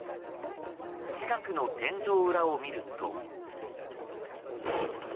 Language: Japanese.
近くの天井裏を見ると。